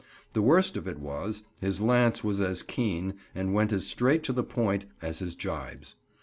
The worst of it was, his lance was as keen, and went as straight to the point, as his gibes.